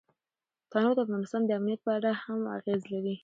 تنوع د افغانستان د امنیت په اړه هم اغېز لري.